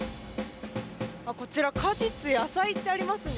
こちら果実、野菜ってありますね。